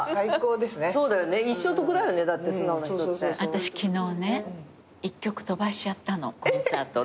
私昨日ね１曲飛ばしちゃったのコンサートで。